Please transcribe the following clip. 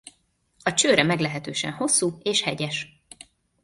A csőre meglehetősen hosszú és hegyes.